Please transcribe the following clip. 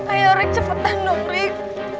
ayo rik cepetan dong rik